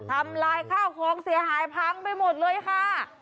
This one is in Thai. ทำลายข้าวของเสียหายพังไปหมดเลยค่ะ